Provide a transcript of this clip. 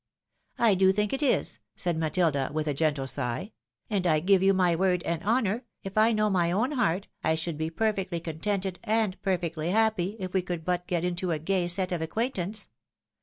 " I do think it is,'' said Matilda, with a gentle sigh ;" and I give you my word and honour that, if I know my own heart, I should be perfectly contented and perfectly happy, if we could but get into a gay set of acquaintance.